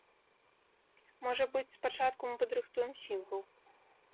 Можа быць, спачатку мы падрыхтуем сінгл.